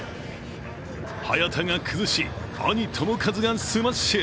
早田が崩し、兄・智和がスマッシュ。